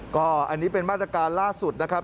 ก็อันนี้เป็นบ้านจัดการณ์ล่าสุดนะครับ